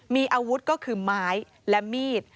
มีอาวุธก็คือไม้และมีด